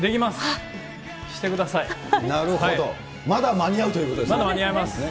まだ間に合います。